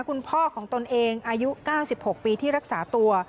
คุณพ่อของตนเองอายุ๙๖ปีที่รักษาตัว